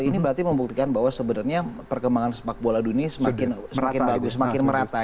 ini berarti membuktikan bahwa sebenarnya perkembangan sepak bola dunia semakin bagus semakin merata